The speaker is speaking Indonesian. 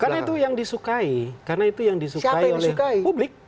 karena itu yang disukai karena itu yang disukai oleh publik